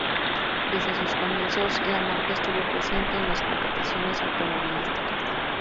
Desde sus comienzos, la marca estuvo presente en las competiciones automovilísticas.